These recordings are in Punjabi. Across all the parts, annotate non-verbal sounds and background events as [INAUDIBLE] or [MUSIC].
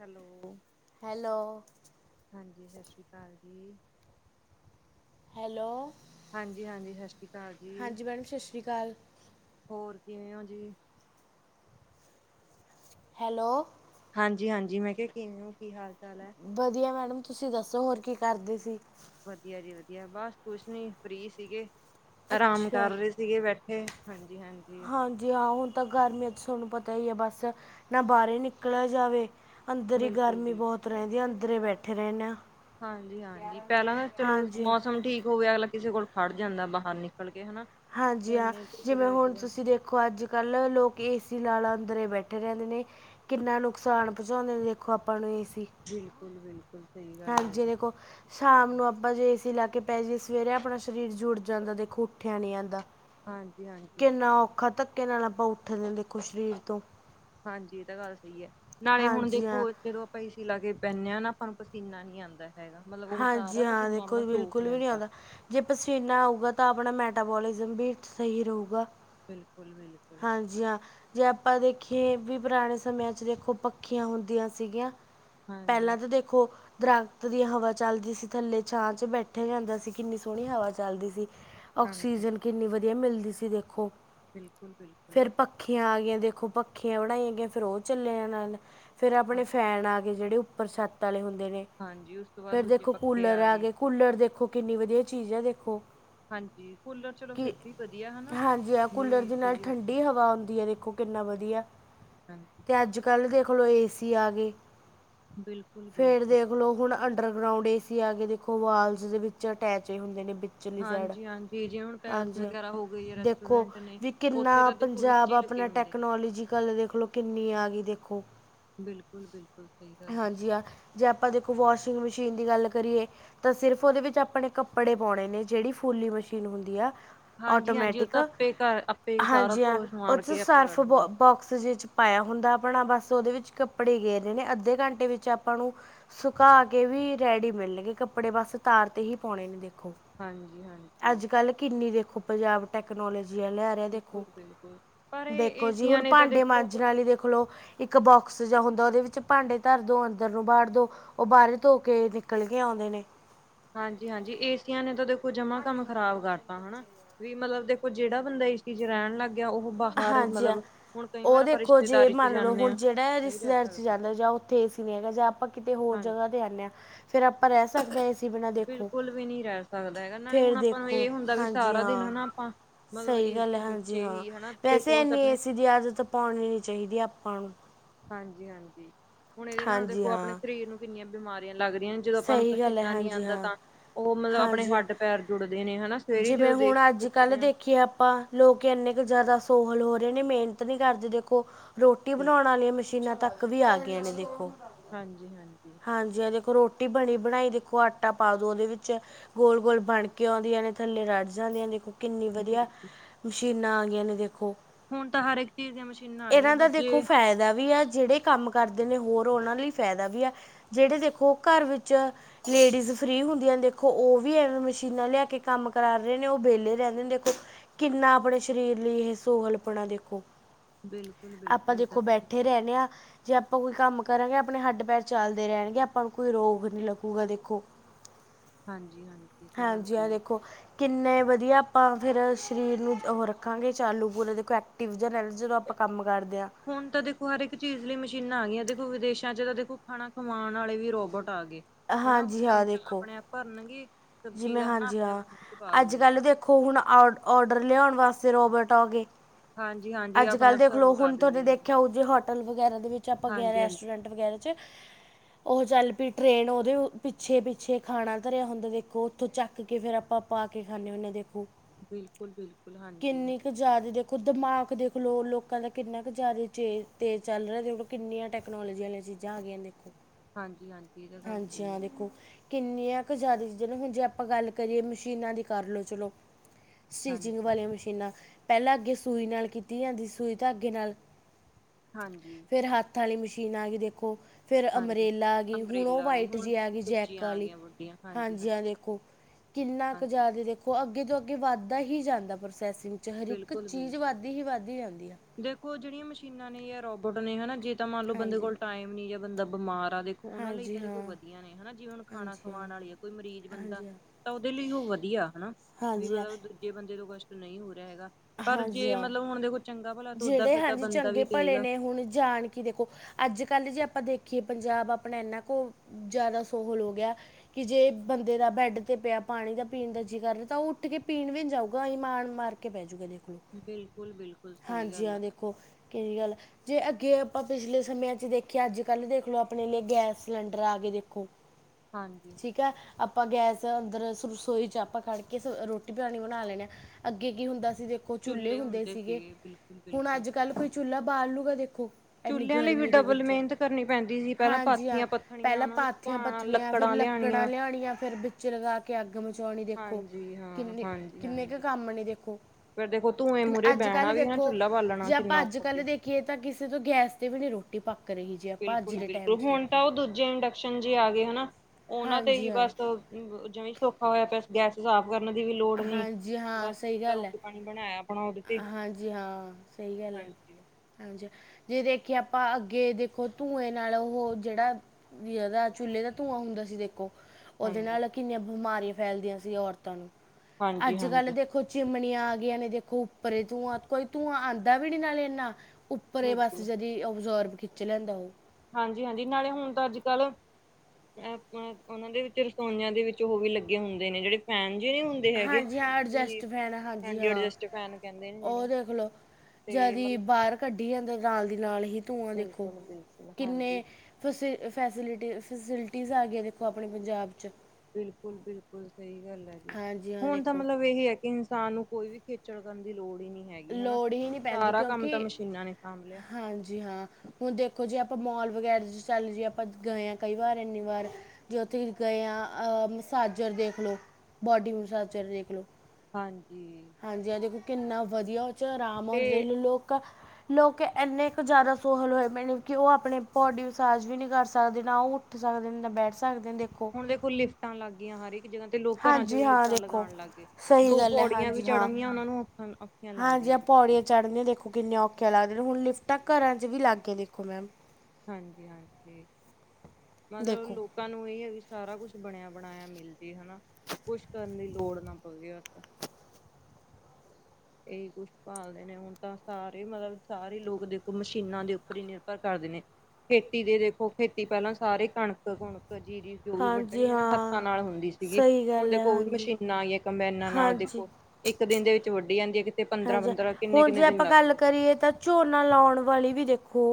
ਹੈਲੋ? ਹੈਲੋ। ਹਾਂਜੀ ਸਤਿ ਸ਼੍ਰੀ ਅਕਾਲ ਜੀ। ਹੈਲੋ? ਹਾਂਜੀ ਹਾਂਜੀ ਸਤਿ ਸ਼੍ਰੀ ਅਕਾਲ ਜੀ ਹਾਂਜੀ ਮੈਡਮ ਸਤਿ ਸ਼੍ਰੀ ਅਕਾਲ ਹੋਰ ਕਿਵੇਂ ਹੋ ਜੀ? ਹੈਲੋ। ਹਾਂਜੀ ਹਾਂਜੀ ਮੈਂ ਕਿਹਾ ਕਿਵੇ ਕੀ ਹਾਲ ਚਾਲ ਹੈ। ਵਧੀਆ ਮੈਡਮ ਤੁਸੀਂ ਦੱਸੋ ਹੋਰ ਕੀ ਕਰਦੇ ਸੀ। ਵਧੀਆ ਜੀ ਵਧੀਆ ਬਸ ਕੁਛ ਨੀ ਫਰੀ ਸੀਗੇ ਆਰਾਮ ਅੱਛਾ ਕਰ ਰਹੇ ਸੀ। ਸੀਗੇ ਬੈਠੇ ਹਾਂਜੀ ਹਾਂਜੀ। ਹਾਂਜੀ ਹਾਂ ਹੁਣ ਤਾਂ ਗਰਮੀਆਂ ਚ ਤੁਹਾਨੂੰ ਪਤਾ ਹੀ ਹੈ ਬਸ ਨਾ ਬਾਹਰ ਨਿਕਲਿਆ ਜਾਵੇ। ਅੰਦਰ ਹੀ ਗਰਮੀ ਬਿਲਕੁਲ-ਬਿਲਕੁਲ। ਬਹੁਤ ਰਹਿੰਦੀ ਅੰਦਰ ਬੈਠੇ ਰਹਿੰਦੇ ਆ। ਹਾਂਜੀ ਹਾਂਜੀ ਪਹਿਲਾਂ ਤਾਂ ਚਲੋ ਮੌਸਮ ਠੀਕ ਹੋਵੇ ਅਗਲਾ ਕਿਸੇ ਕੋਲ ਖੜ ਜਾਂਦਾ ਬਾਹਰ ਨਿਕਲ ਕੇ ਹਨਾ। ਹਾਂਜੀ ਤੇ ਹਾਂ ਇੰਨੇ ਧੁੱਪ ਜਿਵੇਂ ਦੇ ਵਿੱਚ ਹੁਣ ਜਾਣਾ ਤੁਸੀਂ ਦੇਖੋ ਦੇਖੋ ਅੱਜ ਕੱਲ੍ਹ ਲੋਕ ਏਸੀ ਲਾ ਲਾ ਅੰਦਰ ਬੈਠੇ ਰਹਿੰਦੇ ਨੇ। ਕਿੰਨਾ ਨੁਕਸਾਨ ਪਹੁੰਚਾਉਂਦੇ ਨੇ ਦੇਖੋ ਆਪਾਂ ਨੂੰ ਏ ਸੀ ਬਿਲਕੁਲ ਬਿਲਕੁਲ। ਜਿਹਦੇੇ ਕੋਲ ਸ਼ਾਮ ਨੂੰ ਆਪਾਂ ਜੇ ਏ ਸੀ ਲਾਕੇ ਪੈ ਜਾਏ ਸਵੇਰੇ ਆਪਣਾ ਸਰੀਰ ਜੁੜ ਜਾਂਦਾ ਦੇਖ ਉਠਿਆ ਨੀ ਆਂਦਾ। ਹਾਂਜੀ-ਹਾਂਜੀ ਕਿੰਨਾ ਔਖਾ ਧੱਕੇ ਨਾਲ ਆਪਾਂ ਉੱਠਦੇ ਹਾਂ ਦੇਖੋ ਸਰੀਰ ਤੋਂ-‍- ਹਾਂਜੀ ਇਹ ਤਾਂ ਗੱਲ ਸਹੀ ਹੈ, ਨਾਲੇ ਹੁਣ ਹਾਂਜੀ ਹਾਂ ਦੇਖੋ ਜਦੋਂ ਆਪਾਂ ਏਸੀ ਲਾ ਕੇ ਪੈਨੇ ਆ ਨਾ ਆਪਾਂ ਨੂੰ ਪਸੀਨਾ ਨਹੀਂ ਆਉਂਦਾ ਹੈਗਾ। ਮਤਲਬ ਉਹ ਹਾਂਜੀ ਸਾਰਾ ਹਾਂ ਪਸੀਨਾ ਦੇਖੋ ਆਪਣਾ ਸੋਖ ਬਿਲਕੁਲ ਵੀ ਨਹੀਂ ਲੈਂਦਾ। ਆਉਂਦਾ। ਜੇ ਪਸੀਨਾ ਅਉਗਾ ਤਾਂ ਆਪਣਾ ਮੈਟਾਬੋਲਿਜ਼ਮ ਵੀ ਸਹੀ ਰਹੇਗਾ। ਬਿਲਕੁਲ ਬਿਲਕੁਲ। ਹਾਂਜੀ ਹ ਜੇ ਆਪਾਂ ਦੇਖੀਏ ਵੀ ਪੁਰਾਣੇ ਸਮਿਆਂ' ਚ ਦੇਖੋ ਪੱਖੀਆਂ ਹੁੰਦੀਆਂ ਸੀਗੀਆਂ। ਹਾਂਜੀ ਪਹਿਲਾਂ ਤਾਂ ਦੇਖੋ ਦਰੱਖਤ ਦੀ ਹਵਾ ਚੱਲਦੀ ਸੀ, ਥੱਲੇ ਛਾਂ 'ਚ ਬੈਠਿਆ ਜਾਂਦਾ ਸੀ। ਕਿੰਨੀ ਸੋਹਣੀ ਹਵਾ ਚੱਲਦੀ ਸੀ। ਹਾਂਜੀ ਆਕਸੀਜਨ ਕਿੰਨੀ ਵਧੀਆ ਮਿਲਦੀ ਸੀ ਦੇਖੋ। ਬਿਲਕੁਲ-ਬਿਲਕਲ। ਫਿਰ ਪੱਖੀਆਂ ਆ ਗਈਆਂ। ਦੇਖੋ, ਪੱਖੀਆਂ ਬਣਾਈਆਂ ਗੀਆ ਫਿਰ ਉਹ ਚੱਲ ਜਾਣ ਉਨੇ ਫਿਰ ਹਾਂ ਆਪਣੇ ਫੈਨ ਆ ਗਏ ਜਿਹੜੇ ਉੱਪਰ ਛੱਤ ਵਾਲੇ ਹੁੰਦੇ ਗੇ। ਹਾਂਜੀ, ਉਸ ਤੋਂ ਬਾਅਦ ਦੂਜੇ ਪੱਖੇ ਆ ਗਏ। ਕੂਲਰ ਦੇਖੋ, ਕਿੰਨੀ ਵਧੀਆ ਚੀਜ਼ ਆ ਦੇਖੋ। ਹਾਂਜੀ ਕੂਲਰ ਚਲੋ ਕਿ ਫਿਰ ਵੀ ਵਧੀਆ ਹਨਾ, ਵੀ ਸਹੀ ਆ। ਨੀ ਹਵਾ ਆਉਂਦੀ ਹੈ ਦੇਖੋ ਕਿੰਨਾ ਵਧੀਆ। ਹਾਂਜੀ ਅਤੇ ਅੱਜ ਕੱਲ ਦੇਖਲੋ ਏਸੀ ਆ ਗਏ, ਬਿਲਕੁਲ ਫੇਰ ਬਿਲਕੁਲ ਦੇਖਲੋ ਹੁਣ ਅੰਡਰਗਰਾਊਂਡ ਏ ਸੀ ਆ ਗਏ ਦੇਖੋ ਵਾਲਸ ਦੇ ਵਿੱਚ ਅਟੈਚ ਹੀ ਹੁੰਦੇ ਨੇ ਬਿਲ- ਹਾਂਜੀ ਹਾਜੀ, ਜਿਵੇ ਪੈਲਸ ਵਗੈਰਾ ਹੋ ਗੇ ਯਾ ਦੇਖੋ ਰੈਸਟੋਰੈਂਟ ਨੇ। ਵੀ ਉੱਥੇ ਕਿੰਨਾ ਤਾਂ ਦੇਖੋ ਵਿੱਚ ਪੰਜਾਬ ਹੀ ਲੱਗੇ ਆਪਣਾ ਹੁੰਦੇ ਨੇ ਟੈਕਨੋ -ਲੈਜੀਕਲ ਦੇਖਲੋ ਕਿੰਨੀ ਆ ਗਈ ਦੇਖੋ, ਬਿਲਕੁਲ ਬਿਲਕੁਲ ਸਹੀ ਗੱਲ ਹੈ। ਹਾਂਜੀ ਆ ਜੇ ਆਪਾਂ ਦੇਖੋ ਵਾਸ਼ਿੰਗ ਮਸ਼ੀਨ ਦੀ ਗੱਲ ਕਰੀਏ। ਤੇ ਸਿਰਫ ਉਹਦੇ ਵਿੱਚ ਆਪਣੇ ਕੱਪੜੇ ਪਾਉਣੇ ਨੇ ਜਿਹੜੀ ਫੂਲੀ ਮਸ਼ੀਨ ਹੁੰਦੀ ਆ। ਹਾਂਜੀ ਹਾਂਜੀ ਉਹ ਤਾਂ ਆਟੋਮੈਟਿਕ ਆਪੇ ਕਰ ਆਪੇ ਸਾਰਾ ਹਾਂਜੀ ਹਾਂ ਧੋ- ਧਵਾ ਉਹ 'ਚ ਕੇ ਆਪੇ ਸਰਫ ਕੱਢ ਜਾਂਦੀ ਬੋ ਐ। ਬੋਕਸ ਜਹੇ ਚ ਪਾਇਆ ਹੁੰਦਾ ਆਪਾ ਨੇ ਬਸ ਉਹਦੇ ਵਿੱਚ ਕੱਪੜੇ ਗੇਰਨੇ ਨੇ ਅੱਧੇ ਘੰਟੇ ਵਿੱਚ ਆਪਾਂ ਨੂੰ ਸੁਕਾ ਕੇ ਵੀ ਰੈਡੀ ਮਿਲਣਗੇ ਕੱਪੜੇ ਬਸ ਤਾਰ ਤੇ ਹੀ ਪਾਉਣੇ ਨੇ ਦੇਖੋ। ਹਾਂਜੀ ਹਾਂਜੀ ਅੱਜ ਕੱਲ ਕਿੰਨੀ ਦੇਖੋ ਪੰਜਾਬ ਟੈਕਨੋਲੋਜੀਆਂ ਲਿਆ ਰਿਹਾ। ਬਿਲਕੁਲ ਖੋ, ਬਿਲਕੁਲ ਪਰ ਇਹ ਦੇਖੋ ਜੇ ਏਸੀਆਂ ਹੁਣ ਨੇ ਤਾਂ ਭਾਂਡੇ ਦੇਖੋ ਮਾਂਜਣ ਵਾਲੀ ਦੇਖਲਓ ਇੱਕ ਬੋਕਸ ਜਿਹਾ ਹੁੰਦਾ ਉਹਦੇ ਵਿੱਚ ਭਾਂਡੇ ਧਰ ਦਿਉ ਅੰਦਰ ਨੂੰ ਵਾੜ ਦੋ ਉਹ ਬਾਹਰ ਧੋ ਕੇ ਨਿਕਲ ਕੇ ਆਉਂਦੇ ਨੇ। ਹਾਂਜੀ ਹਾਂਜੀ ਏਸੀਆਂ ਨੇ ਤਾਂ ਦੇਖੋ ਜਮਾ ਕੰਮ ਖ਼ਰਾਬ ਕਰਤਾ ਹਨਾ। ਵੀ ਮਤਲਬ ਦੇਖੋ ਜਿਹੜਾ ਬੰਦਾ ਏਸੀ ਚ ਰਹਿਣ ਲੱਗ ਗਿਆ ਉਹੋ ਹਾਂਜੀ ਆ, ਉਹ ਦੇਖੋ ਜੇ ਰਿਸ਼ਤੇਦਾਰੀ ਚ ਮੰਨ ਲਓ ਜਾਂਦੇ ਹੁਣ ਹਾਂ ਜਿਹੜਾ ਨਹੀਂ ਰਹਿ ਰਿਸ਼ਤੇਦਾਰੀ ਚ ਸਕਦਾ ਜਾਂਦਾ ਜਾ ਓ ਉੱਥੇ ਏ ਸੀ ਨਹੀਂ ਹੈਗਾ ਜਾਂ ਆਪਾਂ ਕਿਤੇ ਹੋਰ ਜਗ੍ਹਾ ਹਾਂਜੀ ਤੇ ਆਉਨੇ ਆ ਫੇਰ ਆਪਾਂ ਰਹਿ ਸਕਦੇ ਆ ਏ ਸ ਏਸੀ ਦੇ ਬੀਨਾ ਦੇਖੋ, ਬਿਲਕੁਲ ਵੀ ਨਹੀਂ ਰਹਿ ਸਕਦਾ ਹੈਗਾ ਨਾਲੇ ਫੇਰ ਹੁਣ ਆਪਾਂ ਨੂੰ ਦੇਖੋ ਇਹ ਹੁੰਦਾ ਵੀ ਹਾਂਜੀ ਸਾਰਾ ਦਿਨ ਹਾਂ। ਹਨਾ ਆਪਾਂ ਮਤਲਬ ਸਹੀ ਗੱਲ ਆ ਏਸੀ ਹਾਂਜੀ ਨੀਚੇ ਹਾਂ। ਹੀ ਹਨਾ ਵੈਸੇ ਦੇਖੋ ਐਨੀ ਆਪਣੇ ਏਸੀ ਦੀ ਆਦਤ ਪਾਉਣੀ ਨੀ ਚਾਹੀਦੀ ਆਪਾਂ ਨੂੰ। ਹਾਂਜੀ ਹਾਂਜੀ ਹੁਣ ਇਹਦੇ ਨਾਲ ਹਾਂਜੀ ਦੇਖੋ ਆਪਣੇ ਹਾਂ ਸਰੀਰ ਨੂੰ ਕਿੰਨੀਆਂ ਬਿਮਾਰੀਆਂ ਲੱਗਦੀਆਂ ਨੇ ਜਦੋਂ ਆਪਾਂ ਨੂੰ ਸਹੀ ਗੱਲ ਹੈ ਪਸੀਨਾ ਨਹੀਂ ਹਾਂਜੀ ਆਦਾ ਹਾਂ ਤਾਂ, ਉਹ ਮਤਲਬ ਆਪਣੇ ਹਾਂਜੀ ਹਾਂ ਹੱਡ ਪੈਰ ਜੁੜਦੇ ਨੇ ਹਨਾ। ਸਵੇਰੇ ਜਿਵੇਂ ਜਦੋਂ ਹੁਣ ਦੇਖ ਅੱਜ ਕੱਲ੍ਹ ਉੱਠਦੇ ਹਾਂ ਦੇਖੀਏ ਆਪਾਂ ਲੋਕ ਇੰਨੇ ਕੁ ਜ਼ਿਆਦਾ ਸੋਹਲ ਹੋ ਰਹੇ ਨੇ ਮਿਹਨਤ ਨੀ ਕਰਦੇ ਦੇਖੋ। ਰੋਟੀ ਬਣਾਉਣ ਵਾਲੀਆਂ ਮਸ਼ੀਨਾਂ ਤੱਕ ਵੀ ਆ ਗਈਆਂ ਨੇ ਦੇਖੋ। ਹਾਂਜੀ ਹਾਂਜੀ। ਹਾਂਜੀ ਹਾਂਜੀ, ਦੇਖੋ ਰੋਟੀ ਬਣੀ ਬਣਾਈ ਦੇਖੋ ਆਟਾ ਪਾ ਦਿਉ ਉਹਦੇ ਵਿੱਚ ਗੋਲ- ਗੋਲ ਬਣ ਕੇ ਆਉਂਦੀਆਂ ਨੇ ਥੱਲੇ ਰੱੜ ਜਾਂਦੀਆਂ ਨੇ ਦੇਖੋ। ਕਿੰਨੀ ਵਧੀਆ, ਬਿਲਕੁਲ ਮਸ਼ੀਨਾਂ ਆ ਗਈਆਂ ਨੇ ਦੇਖੋ। ਹੁਣ ਤਾਂ ਹਰ ਇੱਕ ਚੀਜ਼ ਦੀਆਂ ਮਸ਼ੀਨਾਂ ਆ ਗਈਆਂ ਇਹਨਾਂ ਦਾ ਦੇਖੋ ਦੂਜੇ ਫਾਇਦਾ ਵੀ ਆ, ਜਿਹੜੇ ਕੰਮ ਕਰਦੇ ਨੇ ਹੋਰ, ਉਹਨਾਂ ਲਈ ਫਾਇਦਾ ਵੀ ਆ ਜਿਹੜੇ ਦੇਖੋ ਘਰ ਵਿੱਚ ਲੇਡੀਜ਼ ਫ੍ਰਰੀ ਹੁੰਦੀਆਂ ਦੇਖੋ, ਉਹ ਵੀ ਐਵੇਂ ਮਸ਼ੀਨਾਂ ਲਿਆ ਕੇ ਕੰਮ ਕਰਾ ਰਹੇ ਨੇ, ਉਹ ਵਿਹਲੇ ਰਹਿੰਦੇ ਨੇ ਦੇਖੋ ਕਿੰਨਾ ਆਪਣੇ ਸਰੀਰ ਲਈ ਇਹ ਸੋਹਲ ਪੁਣਾ, ਦੇਖੋ। ਬਿਲਕੁਲ ਆਪਾਂ ਬਿਲਕੁਲ ਇਹ ਤਾਂ ਦੇਖੋ ਬੈਠੇ ਰਹਿੰਦੇ ਹਾਂ, ਜੇ ਆਪਾਂ ਕੋਈ ਕੰਮ ਕਰਾਂਗੇ ਆਪਣੇ ਹੱਡ ਪੈਰ 'ਚ ਚੱਲਦੇ ਰਹਿਣਗੇ, ਆਪਾਂ ਨੂੰ ਕੋਈ ਰੋਗ ਨੀ ਲੱਗੂਗਾ, ਦੇਖੋ। ਹਾਂਜੀ ਹਾਂਜੀ ਇਹ ਤਾਂ ਗੱਲ ਹਾਂਜੀ, ਆ ਸਹੀ ਦੇਖੋ ਕਿੰਨੇ ਵਦੀਆ ਆਪਾਂ ਫੇਰ ਸ਼ਰੀਰ ਨੂੰ, ਓ ਰੱਖਾਂਗੇ ਚਾਲੂ [UNINTELLIGIBLE] ਟਿਵਜ਼ਨ ਐ, ਜਦੋਂ ਆਪਾਂ ਕੰਮ ਕਰਦੇ ਹਾਂ। ਹੁਨ ਤਾ ਦੇਖੋ ਹਰ ਏਕ ਚੀਜ਼ ਲਈ ਮਸ਼ੀਨਾਂ ਆ ਗਿਆਂ, ਦੇਖੋ ਵਿਦੇਸ਼ਾਂ 'ਚ ਤਾ ਦੇਖੋ, ਖਾਣਾ ਖਮਾਣ ਵਾਲੇ ਵੀ ਰੋਬੋਟ ਆਗੇ ਹਨਾ, ਓ ਹਾਂਜੀ ਹਾਂ ਚਮਚਾ ਦੇਖੋ ਆਪਣੇ ਆਪ ਪਰਨਗੇ ਸਬਜ਼ੀ ਦਾ ਹਨਾ, ਆਪਨੇ ਆਪ ਮੂੰਹ 'ਚ ਪਾ ਦੇਂਦੇ ਨੇ ਖੋ ਹੁਣ ਆਓ, ਓਡਰ ਲੇਓਣ ਵਾਸਤੇ ਰੋਬਟ ਆਗੇ ਹਾਂਜੀ, ਹਾਂਜੀ। ਆਪਣੇ ਆੱਜ-ਕਾੱਲ ਆਪ ਦੇਖ ਲੋ ਸਰਵ ਕਰ ਹੁਨ ਦਿੰਦੇ ਤੋਅਡੇ ਨੇ ਉਹ ਦੇਖੇਆ ਹੋਉ, ਜੇ ਹੋਟਲ ਵਗੈਰਾ ਦੇ ਵਿੱਚ ਆਪਾਂ ਗੇ, ਹਾਂਜੀ ਹਾਂਜੀ ਰੈਸਟੋਰੈਂਟ ਵਗੈਰਾ 'ਚ ਓਹ ਚਾੱਲ ਪੀ ਟਰੇਨ, ਓਦੇ ਪਿੱਛੇ -ਪਿੱਛੇ ਖਾਣਾ ਧਰੇਆ ਹੁੰਦਾ, ਦੇਖੋ ਉੱਥੋਂ ਚਾੱਕ ਕੇ, ਫੇਰ ਆਪਾਂ ਪਾਕੇ ਖਾਂਨੇ ਹੁੰਨੇ ਹਾਂ ਦੇਖੋ ਬਿਲਕੁਲ ਬਿਲਕੁਲ, ਹਾਂਜੀ ਹਾਂ। [UNINTELLIGIBLE] ਦੇਖੋ ਦਮਾਗ ਦੇਖ ਲਓ, ਲੋਕਾਂ ਦਾ ਕਿੰਨਾ ਕਾ ਜਾਦਾ ਚੇ ਤੇਜ਼ ਚੱਲ ਰੇਹਾਂ, ਕਿੰਨੀਆਂ ਟੈਕਨੋਲੋਜੀ ਆਲੀਆਂ, ਚੀਜ਼ਾਂ ਆ ਗਈਆਂ ਨੇ ਹਾਂਜੀ ਹਾਂਜੀ ਇਹ ਤਾਂ ਗੱਲ ਹਾਂਜੀ, ਸਹੀ ਹਾਂ ਹੈ ਦੇਖੋ ਕਿੰਨੀਆਂ ਕੁ ਜਾਦਾ ਚੀਜ਼ਾਂ ਨੇ, ਹੁਣ ਜੇ ਆਪਾਂ ਗੱਲ ਕਰੀਏ, ਮਸ਼ੀਨਾਂ ਦੀ ਕਰ ਲਓ ਚਲੋ ਸਿੰਜਗ ਹਾਂਜੀ ਵਾਲੀਆਂ ਮਸ਼ੀਨਾਂ, ਪਹਿਲਾਂ ਅੱਗੇ ਸੂਈ ਨਾਲ ਕੀਤੀ ਜਾਂਦੀ ਸੀ, ਸੂਈ ਤਾਗੇ ਨਾਲ। ਹਾਂਜੀ। ਫੇਰ, ਹੱਥ ਵਾਲੀ ਮਸ਼ੀਨ ਆਗੀ ਦੇਖੋ ਫੇਰ ਹਾਂਜੀ ਅਮਰੇਲਾ ਆਗੀ, ਹੁਨ ਉ ਅੰਬਰੇਲਾ ਆ ਗਈ ਵਾਈਟ ਹੁਣ ਜੀ ਆਗੀ ਜੈਕ ਦੂਜੀਆਂ ਆ ਵਾਲੀ, ਗਈਆਂ ਵੱਡੀਆਂ ਹਾਂਜੀ ਏ ਵੇਖੋ ਕਿੰਨਾ ਕਾ ਹਾਂਜੀ ਜਿਆਦੇ ਦੇਖੋ, ਅੱਗੇ [UNINTELLIGIBLE] ਅੱਗੇ ਵੱਧਦਾ ਹੀ ਜਾਂਦਾ ਪ੍ਰੋਸੈਸਿੰਗ 'ਚ ਹਰ ਇੱਕ ਬਿਲਕੁਲ ਚੀਜ਼, ਬਿਲਕੁਲ ਵੱਧਦੀ ਹੀ ਵੱਧਦੀ ਜਾਂਦੀ ਆ ਦੇਖੋ ਜਿਣੜੀਆਂ ਮਸ਼ੀਨਾਂ ਨੇ ਜਾਂ ਰੋਬੋਟ ਨੇ ਹਨਾਂ, ਜੇ ਤਾਂ ਮੰਨ ਲਓ ਬੰਦੇ ਹਾਂਜੀ ਕੋਲ ਟਾਈਮ ਨੀ, ਜਾਂ ਬੰਦਾ ਬਿਮਾਰ ਆ ਓਹਨਾਂ ਲਈ ਹਾਂਜੀ ਤਾਂ ਦੇਖੋ ਹਾਂ ਵਧੀਆ ਨੇ ਹਨਾਂ, ਜਿਵੇਂ ਹੁਨ ਖਾਨਾ ਹਾਂਜੀ ਹਾਂ ਖਾਉਣ ਵਾਲੀ ਆ ਕੋਈ ਮਰੀਜ਼ ਬੰਦਾ ਹਾਂਜੀ ਹਾਂ ਤਾ ਉਹਦੇ ਲਈ ਉਹ ਵਧੀਆ ਹਨਾ, ਵੀ ਹਾਂਜੀ ਹਾਂ ਮਤਲਬ ਦੂ ਜੇ ਬੰਦੇ ਤੋਂ ਕਸ਼ਟ ਨਹੀਂ ਹੋ ਰਿਹਾ ਹੈਗਾ, ਪਰ ਜੇ ਮਤਲਬ ਹੁਨ ਦੇਖੋ ਚੰਗਾ ਭਲਾ ਤੁਰਦਾ ਜੇਹੜੇ ਫਿਰਦਾ ਹਾਂਜੀ, ਬੰਦਾ ਚੰਗੇ ਵੀ ਭਲੇ ਕਹੇਗਾ ਨੇ ਹੁਨ ਜਾਣ ਕਿ ਦੇਖੋ ਆੱਜ-ਕਾੱਲ ਜੇ ਆਪਾਂ ਦੇਖੀਏ, ਪੰਜਾਬ ਆਪਣਾ ਇੰਨਾ ਕੋ ਜਾਦਾ ਸੋਹਲ ਹੋ ਗਿਆ ਕਿ ਜੇ ਬੰਦੇ ਦਾ, ਬੈੱਡ ਤੇ ਪਿਆ ਪਾਨੀ ਜਾ ਪੀਣ ਜਾ ਜੀ ਕਰਦਾ, ਤਾਂ ਉਹ ਉੱਠ ਕੇ ਪੀਣ ਵੀ ਨਹੀਂ ਜਾਊਗਾ, ਇਮਾਨ ਮਾਰਕੇ [UNINTELLIGIBLE] ਜੂਗਾ, ਦੇਖ ਲੋ ਬਿਲਕੁਲ, ਬਿਲਕੁਲ। ਸਹੀ ਹਾਂਜੀ ਗੱਲ ਆ ਹਾਂ ਦੇਖੋ, ਏ ਗੱਲ ਜੇ ਅੱਗੇ ਆਪਾਂ, ਪਿਛਲੇ ਸਮਿਆਂ 'ਚ ਦੇਖਿਆ ਆੱਜ-ਕਾੱਲ ਦੇਖ ਲਓ, ਆਪਣੇ ਲਈ ਗੈਸ ਸਿਲੰਡਰ ਆਗੇ ਦੇਖੋ। ਹਾਂਜੀ। ਠੀਕ ਹੈ, ਆਪਾਂ ਗੈਸ ਅੰਦਰ ਰਸੋਈ 'ਚ ਆਪਾਂ ਖੜ੍ਹ ਕੇ ਰੋਟੀ, ਪਾਣੀ ਬਨਾ ਲੈਂਨੇ ਹਾਂ ਅੱਗੇ ਕੀ ਹੁੰਦਾ ਸੀ, ਦੇਖੋ ਚੁੱਲੇ ਹੁੰਦੇ ਸੀਗੇ ਬਿਲਕੁਲ, ਬਿਲਕੁਲ। ਕਾੱਲ ਕੋਈ ਚੁੱਲ੍ਹਾ ਬਾਲੂਗਾ, ਦੇਖੋ ਇੰਨੀ ਚੁੱਲਿਆਂ ਲਈ ਵੀ, ਗਰਮੀ ਦੇ ਡਬਲ ਵਿੱਚ ਮਿਨਤ ਕਰਨੀ ਪੈਂਦੀ ਸੀ। ਪਹਿਲਾਂ ਪਾਥੀਆਂ ਪੱਥਣੀਆਂ ਉਹਨਾਂ ਨੂੰ ਫੇ ਸੁਕਾਣਾ ਪੱਥਣੀਆਂ, ਫੇਰ ਲੱਕੜਾਂ ਲਿਆਣੀਆਂ ਲੱਕੜਾਂ ਲੇਆਣਿਆਂ ਫੇਰ ਬੀ ਚ ਲਗਾਕੇ ਅੱਗ ਮਚੋਔਣੀ ਦੇਖੋ। ਹਾਂਜੀ ਹਾਂ ਕਿੰਨੇ ਕਿਨੇ ਕ ਹਾਂਜੀ-ਹਾਂਜੀ। ਕੰਮ ਨੇ ਦੇਖੋ। ਫੇਰ ਦੇਖੋ ਧੂੰਏਂ ਮੂਰੇ ਅੱਜ ਬੈਨਾ ਕੱਲ ਵੀ ਹ ਦੇਖੋ ਜੇ ਆਪਾਂ ਆੱਜ-ਕਾੱਲ ਦੇਖੀਏ ਤਾਂ, ਕਿਸੇ ਤੋਂ ਗੈਸ ਤੇ ਵੀ ਨੀ ਰੋਟੀ ਪੱਕ ਰਹੀ। ਜੇ ਆਪਾਂ ਅੱਜ ਦੇ ਬਿਲਕੁਲ-ਬਿਲਕੁਲ। ਟਾਈਮ 'ਚ ਹੁਣ ਤਾਂ ਦੇਖੀਏ ਔਹ ਦੂਜੇ ਇੰਡਕਸ਼ਨ ਜੇ ਆ ਗਏ ਹਨਾਂ ਔਨਾਂ ਤੇ ਹਾਂਜੀ ਵੀ ਹਾਂ ਬਸ ਜਿਵ ਜਿਵੇਂ ਸੌਖਾ ਹੋਯਾ ਪਯਾ ਗੈਸ ਸਾਫ਼ ਕਰਨ ਦੀ ਵੀ ਲੋੜ ਨੀ ਹਾਂਜੀ ਹਾਂ ਬਸ ਸਹੀ ਸਿੰਦਾ ਗੱਲ ਹੈ ਰੋਟੀ, ਪਾਣੀ ਬਣਾਯਾ। ਹਾਂਜੀ ਹਾਂ, ਸ ਈ ਗੱਲ ਐ। ਹਾਂਜੀ। ਹਾਂਜੀ, ਜੇ ਦੇਖਿਯੇ ਆਪਾਂ ਅੱਗੇ ਦੇਖੋ ਧੂੰਏ ਨਾਲ ਹੋਰ ਜੇੜਾ [UNINTELLIGIBLE] ਯਾਦਾ ਚੁੱਲੇ ਦਾ ਧੂੰਆਂ ਹੁੰਦਾ ਸੀ ਦੇਖੋ ਔਦੇ ਨਾਲ ਕਿੰਨੀਆਂ ਬਿਮਾਰੀਆਂ ਫੈਲਦੀਆਂ ਸੀ, ਔਰਤਾਂ ਨੂੰ ਆੱਜ-ਕਾੱਲ ਹਾਂਜੀ-ਹਾਂਜੀ-ਹਾਂਜੀ ਦੇਖੋ। ਚਿਮਣੀਆਂ ਆ ਗਈਆਂ ਨੇ ਦੇਖੋ ਉੱਪਰੇ ਧੂੰਆਂ ਕੋਈ ਧੂੰਆਂ ਆਂਦਾ ਵੀ ਨੀ ਨਾਲੇ ਏਨਾਂ ਉਪ ਪਰੇ ਬਸ ਬਿਲਕੁਲ ਜਦੀ ਔਬਜ਼ੋਰਬ ਖਿੱਚ ਲੈਂਦਾ ਔ ਹਾਂਜੀ -ਹਾਂਜੀ ਨਾਲੇ ਹੁਣ ਤਾਂ ਅੱਜ -ਕੱਲ [UNINTELLIGIBLE] ਔਨਾ ਦੇ ਵਿੱਚ ਰਸੋਨੀਆਂ ਦੇ ਵਿੱਚ ਔ ਵੀ ਲੱਗੇ ਹੋਂਦੇ ਨੇ ਜੇੜੇ ਫੈਨ ਜੇ ਹੁੰਦ ਹਾਂਜੀ ਹਾਂ ਅਡਜਸਟ ਫੈਨ ਹਾਂਜੀ ਹਾਂ ਅਡਜਸਟ ਫੈਨ ਕਹਿੰਦੇ ਨੇ ਔਹ ਜਿਹਨੂੰ ਦੇਖ ਲੋ- ਤੇ ਜਦੀ ਮਤਲਬ ਬਾਰ ਕੱਢੀ ਜਾਂਦੇ ਨਾਲ ਦੀ ਨਾਲ ਹੀ ਧੂੰਆਂ ਦੇਖੋ ਬਿਲਕੁਲ ਬਿਲਕੁਲ ਹਾਂਜੀ ਕਿੰਨੇ ਫਿਸ ਅ ਫੈਸਿਲਿਟੀ ਫੈਸਿਲਿਟੀਜ਼ ਹੈ ਗੀ ਆ ਦੇਖੋ ਅਪਣੇ ਪੰਜਾਬ 'ਚ ਬਿਲਕੁਲ- ਬਿਲਕੁਲ ਸ ਈ ਗੱਲ ਐ ਜੀ ਹਾਂਜੀ ਹਾਂ ਹੁਣ ਤਾਂ ਦੇਖੋ ਮਤਲਬ ਏਹੀ ਹੈ ਕਿ ਇਨਸਾਨ ਨੂੰ ਕੋਈ ਵੀ ਖੇਚਲ ਕਰਨ ਦੀ ਲੋੜ ਈ ਨੀ ਹੈਗੀ ਹਨਾ ਲੋੜ ਹੀ ਨਹੀਂ ਪੈਂਦੀ ਸਾਰਾ ਕੰਮ ਤਾਂ ਕਿਉਂਕਿ ਮਸ਼ੀਨਾਂ ਨੇ ਸਾਂਭ ਲਿਆ। ਹਾਂਜੀ ਹਾਂ, ਹੁਣ ਦੇਖੋ ਜੇ ਆਪਾਂ ਮੋਲ ਵਗੈਰਾ ਚ ਚੱਲ ਜੇ ਆਪਾਂ ਗਏ ਹਾਂ ਕਈ ਵਾਰ ਇੰਨੀ ਵਾਰ ਜੇ ਔਥੇ ਗਏ ਆ ਅਹ ਮਸਾਜਰ ਦੇਖ ਲੋ ਬੋਡੀ ਮਸਾਜਰ ਦੇਖ ਲੋ। ਹਾਂਜੀ। ਹਾਂਜੀ ਆ ਦੇਖੋ ਕਿੰਨਾ ਵਧੀਆ ਔ ਚ ਆਰਾਮ ਤੇ ਔਂਦਾਂ ਦੇਖ ਲੌ ਲੋਕ ਲੋਕ ਏਨੇ ਕੁ ਜਾਦਾ ਸੋਹਲ ਹੋਏ ਪਏ ਨੇ ਕਿ ਔ ਅਪਣੇ ਬੋਡੀ ਮਸਾਜ ਵੀ ਨੀ ਕਰ ਸਕਦੇ ਨਾ ਔਹ ਤੇ ਸਾਰਾ ਦਿਨ ਨਾ ਬੈਠ ਸਕਦੇ ਦੇਖੋ ਹੁਣ ਦੇਖੋ ਲਿਫਟਾਂ ਲੱਗ ਗਿਯਾਂ ਹਰ ਇ ਕ ਈ ਜਗ੍ਹਾ ਤੇ ਲੋਕ ਘਰਾਂ ਚ ਹਾਂਜੀ ਵੀ ਹਾਂ ਲਿਫਟਾਂ ਦੇਖੋ ਲਗਾਨ ਲੱਗ ਗੇ ਸਹੀ ਦੋ ਗੱਲ ਹੈ ਪੌੜੀਆਂ ਵੀ ਹਾਂਜੀ ਹਾਂ ਚੜ੍ਹਨੀਯਾਂ ਔਨਾ ਨੂੰ ਅਪਅ ਹਾਂਜੀ ਆਪ ਪੌੜੀਆਂ ਚੜ੍ਹਨਿਯਾਂ ਦੇਖੋ ਕਿੰਨੀਆਂ ਔਖੀਆਂ ਲੱਗਦੇ ਨੇ ਹੁਣ ਲਿਫਟਾਂ ਘਰਾਂ 'ਚ ਵੀ ਲੱਗ ਗੇ ਦੇਖੋ ਮੈਮ ਹਾਂਜੀ -ਹਾਂਜੀ ਮਤਲਬ ਦੇਖੋ ਲੋਕ ਸਾ ਨੂੰ ਵੀ ਸਾਰਾ ਕੁਛ ਬਣਿਆ ਬਣਾਇਆ ਮਿਲ ਜੇ ਹਨਾ ਕੁਛ ਕਰਨ ਦੀ ਲੋੜ ਨਾ ਪਵੇ ਬਸ ਏਹੀ ਕੁੱਛ ਪਾਲਦੇ ਨੇ ਹੁਣ ਤਾਂ ਸਾਰੇ ਮਤਲਬ ਸਾਰੇ ਲੋਕ ਦੇਖੋ ਮਸ਼ੀਨਾਂ ਦੇ ਉੱਪਰ ਈ ਨਿਰਭਰ ਕਰਦੇ ਨੇ ਖੇਤੀ ਦੇ ਦੇਖੋ, ਖੇਤੀ ਪੈਲਾਂ ਸਾਰੇ ਕਣਕ -ਕੁੁਣਕ ਜੀਰੀ ਜੋ ਵੀ ਹਾਂਜੀ ਵੱਢਣੀ ਹੈ ਨਾ ਹਾਂ ਹੱਥਾਂ ਨਾਲ ਹੁੰਦੀ ਸੀਗੀ ਸਹੀ ਹੁਣ ਗੱਲ ਦੇ ਹੈ ਕੋਲ ਵੀ ਹਾਂਜੀ ਮਸ਼ੀਨਾਂ ਆਈਯਾਂ। ਕੰਬੈਨਾਂ ਨਾਲ ਹਾਂਜੀ ਦੇਖੋ ਇੱਕ ਦਿਨ ਦੇ ਵਿੱਚ ਵੱਡੀ ਜਾਂਦੀ ਐ ਹਾਂਜੀ, ਹੁਣ ਜੇ ਅਪਾਂ ਗੱਲ ਕਰੀਯੇ ਤਾਂ ਝੋਨਾ ਲਾਉਣ ਵਾਲੀ ਵੀ ਦੇਖੋ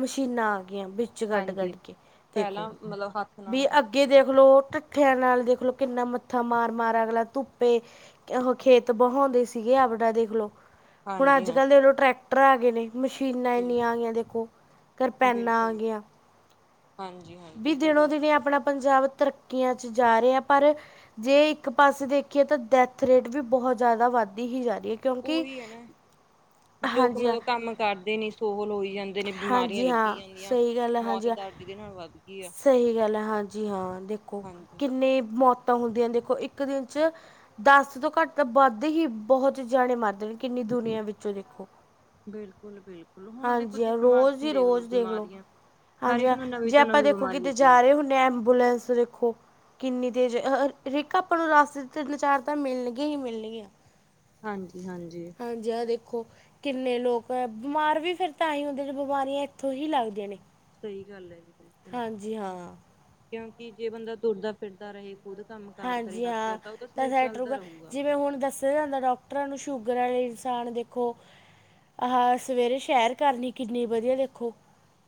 ਮਸ਼ੀਨਾਂ ਆ ਗਈਆਂ ਬੀ ਚ ਗਢ ਹਾਂਜੀ। -ਗਢ ਕੇ ਦੇਖੋ ਪਹਿਲਾਂ ਮਤਲਬ ਹੱਥ ਨਾਲ ਵੀ ਹੁੰਦੇ ਅੱਗੇ ਸੀਗੇ ਦੇਖ ਲਏ ਤੇ ਤੁ ਖਿਆਂ [UNINTELLIGIBLE] ਨਾਲ ਦੇਖਲੋ ਕਿੰਨਾ ਮੱਥਾ ਮਾਰ -ਮਾਰ ਅਗਲਾ ਧੁੱਪੇ ਏਹੋ ਖੇਤ ਬਹੋਂਦੇ ਸੀਗੇ ਆਪਦਾ ਦੇ [UNINTELLIGIBLE] ਖਲੋ ਹੁਣ ਹਾਂਜੀ ਅੱਜ ਹਾਂ -ਕੱਲ੍ਹ ਦੇਖਲੋ ਟਰੈਕਟਰ ਆ ਗੇ ਨੇ, ਮਸ਼ੀਨਾਂ ਇੰਨੀਆਂ ਆ ਬਿਲਕੁਲ। ਗਈਆਂ ਦੇਖੋ। ਕਰਰਪਾਨਾ ਆ ਬਿਲਕੁਲ ਗਿਯਾ। ਹਾਂਜੀ ਹਾਂ, ਬੀ ਦਿਨੋ- ਦਿਨ ਅਪਣਾ ਪੰਜਾਬ ਤਰੱਕੀਆਂ ਚ ਜਾ ਰਿਯਾ। ਪਰ ਜੇ ਇੱਕ ਪਾਸੇ ਦੇਖੀਏ ਤਾਂ ਡੈੱਥ ਰੇਟ ਵੀ ਬਹੁਤ ਜ਼ਿਆਦਾ ਵੱਧਦੀ ਹੀ ਜਾ ਰਹੀ ਹੈ। ਕਿਉਂਕਿ ਉਹੀ ਹੈ ਨਾ ਲੋਕ ਹਾਂਜੀ ਹਾਂ ਮਤਲਬ ਕੰਮ ਕਰਦੇ ਨ੍ਹੀਂ ਸੋਹਲ ਹੋਈ ਜਾਂਦੇ ਨੇ ਬਿਮਾਰੀਆਂ ਹਾਂਜੀ ਹਾਂ ਲੱਗੀ ਜਾਂਦੀਆਂ ਸਹੀ ਗੱਲ ਹੈ ਮੌਤ ਹਾਂਜੀ ਹਾਂ ਦਾ ਇਹਦੇ ਨਾਲ ਵਧ ਸਹੀ ਗੱਲ ਹੈ ਹਾਂਜੀ ਹਾਂ ਦੇਖੋ ਹਾਂਜੀ ਕਿੰਨੀ ਮੌਤ ਹੁੰਦੀਆਂ ਦੇਖੋ ਇੱਕ ਦਿਨ ਚ ਦਸ ਤੋਂ ਘੱਟ ਤਾਂ ਬਦ ਹੀ ਬਹੁਤ ਜਾਆਣੇ ਮਰਦੇ ਨੇ। ਕਿੰਨੀ ਦੁਨੀਆਂ ਵਿੱਚੋਂ ਦੇਖੋ। ਬਿਲਕੁਲ ਬਿਲਕੁਲ ਹੁਣ ਦੇਖੋ ਹਾਂਜੀ ਹਾਂ ਜਿਸ ਮਰਜ਼ੀ ਰੋਜ਼ ਨੂੰ ਹੀ ਦੇਖ ਲਓ ਰੋਜ਼ ਦੇਖਲੋ ਬਿਮਾਰੀਆਂ ਹਰ ਹਾਂਜੀ ਇੱਕ ਹਾਂ ਨੂੰ ਨਵੀਂ ਜੇ ਤੋਂ ਆਪਾਂ ਨਵੀਂ ਦੇਖੋ ਬਿਮਾਰੀ ਕਿਤੇ ਲੱਗੀ ਜਾ ਹੁੰਦੀ ਹੈ ਰਹੇ ਹੁੰਦੇ ਹਾਂ ਐਂਬੂਲੈਂਸ ਦੇਖੋ ਕਿੰਨੀ ਤੇਜ ਰਿਕਾ ਆਪਾਂ ਨੂੰ ਰਾਸਤੇ ਚ ਤੀਨ-ਚਾਰ ਤਾਂ ਮਿਲਣਗੀਆਂ ਹੀ ਮਿਲਣਗੀਆਂ। ਹਾਂਜੀ-ਹਾਂਜੀ ਹਾਂਜੀ ਆਹ ਦੇਖੋ। ਕਿੰਨੇ ਲੋਕ ਬਿਮਾਰ ਵੀ ਫਿਰ ਤਾਂ ਹੀ ਹੁੰਦੇ ਨੇ ਬਿਮਾਰੀਆਂ ਇੱਥੋਂ ਹੀ ਲੱਗਦੀਆਂ ਨੇ। ਸਹੀ ਗੱਲ ਹੈ ਜੀ। ਬਿਲਕੁਲ ਹਾਂਜੀ ਹਾਂ ਕਿਉਂਕਿ ਜੇ ਬੰਦਾ ਤੁਰਦਾ ਫਿਰਦਾ ਰਹੇ ਖ਼ੁਦ ਕੰਮ ਕਾਰ ਕਰੇ ਹਾਂਜੀ ਹੱਥ ਹਾਂ ਪੈਰ ਦਾ ਉਹਦਾ ਤਾਂ ਸਰੀਰ ਸੈਟ ਚੱਲਦਾ ਰਹੁਗਾ ਰਹੂਗਾ ਜਿਵੇਂ ਹੁਣ ਦਸ [UNINTELLIGIBLE] ਡਾਕਟਰਾਂ ਨੂੰ ਸ਼ੂਗਰ ਹੈ ਇਨਸਾਨ ਦੇਖੋ ਆਹ ਸਵੇਰੇ ਸ਼ੈਰ ਕਰਨੀ ਕਿੰਨੀ ਵਧੀਆ ਦੇਖੋ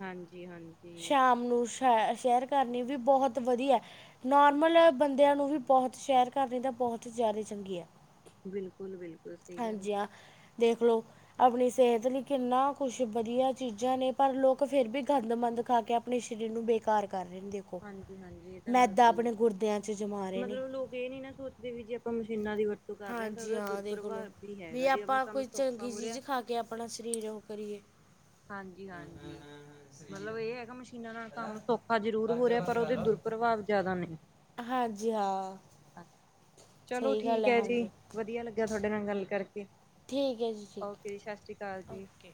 ਹਾਂਜੀ ਹਾਂਜੀ ਸ਼ਾਮ ਨੂੰ ਸੈਰ ਕਰਨੀ ਵੀ ਬਹੁਤ ਵਧੀਆ ਨੋਰਮਲ ਬੰਦ ਦਿਆਂ ਨੂੰ ਵੀ ਬਹੁਤ ਸ਼ੈਰ ਕਰਨੀ ਤਾਂ ਬਹੁਤ ਜ਼ਿਆਦਾ ਚੰਗੀ ਹੈ। ਬਿਲਕੁਲ-ਬਿਲਕੁਲ ਹਾਂਜੀ ਹਾਂ ਦੇਖ ਲਓ ਆਪਣੀ ਸਿਹਤ ਲਈ ਕਿੰਨਾ ਕੁਛ ਵਧੀਆ ਚੀਜ਼ਾਂ ਨੇ ਪਰ ਲੋਕ ਫੇਰ ਵੀ ਗੰਦਮੰਦ ਖਾ ਕੇ ਆਪਣੇ ਸਰੀਰ ਨੂੰ ਬੇਕਾਰ ਕਰ ਰਹਿੰਦੋ। ਹਾਂਜੀ-ਹਾਂਜੀ ਇਹ ਤਾਂ ਗੱਲ ਸਹੀ ਹੈ 'ਚ ਜਮਾ ਰਹੇ ਨੇ ਮਤਲਬ ਲੋਕ ਇਹ ਨੀ ਨਾ ਸੋਚ ਦੇ ਵੀ ਜੇ ਆਪਾਂ ਮਸ਼ੀਨਾਂ ਦੀ ਵਰਤੋਂ ਕਰ ਰਹੇ ਹਾਂ ਤਾਂ ਹਾਂਜੀ ਉਹਦਾ ਦੇਖ ਲਓ ਦੁਰਪਭਾਵ ਵੀ ਹੈਗਾ ਜੇ ਆਪਣਾ ਕੰਮ ਸੌਖਾ ਹੋ ਰਿਹਾ ਤੇ ਆਪਣਾ ਸਰੀਰ ਉਹ ਕਰੀਏ। ਹਾਂਜੀ-ਹਾਂਜੀ ਮਤਲਬ ਇਹ ਹੈਗਾ ਮਸ਼ੀਨ ਜਿਨਾਂ ਨਾਲ ਕੰਮ ਸੌਖਾ ਜ਼ਰੂਰ ਹੋ ਰਿਹਾ ਪਰ ਉਹਦੇ ਦੁਰਪਭਾਵ ਜਿਆਦਾ ਨੇ। ਹਾਂਜੀ ਹਾਂ ਚਲੋ ਸਹੀ ਗੱਲ ਠੀਕ ਹੈ ਜੀ ਹਾਂਜੀ ਵਧੀਆ ਲੱਗਾ ਤੁਹਾਡੇ ਨਾਲ ਗੱਲ ਕਰਕੇ। ਠੀਕ ਹੈ ਜੀ ਠੀਕ ਓਕੇ ਜੀ ਸਤਿ ਸ਼੍ਰੀ ਅਕਾਲ ਹੈ। ਜੀ। ਓਕੇ